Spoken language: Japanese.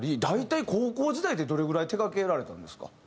大体高校時代でどれぐらい手掛けられたんですか？